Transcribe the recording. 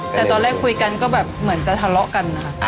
แต่ตอนแรกคุยกันก็เหมือนจะทะเลาะกัน